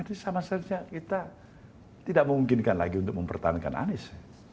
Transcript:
itu sama saja kita tidak memungkinkan lagi untuk mempertahankan anies